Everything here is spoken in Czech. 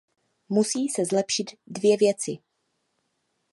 Musí se zlepšit dvě věci.